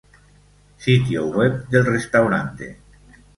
Sitio web del restaurante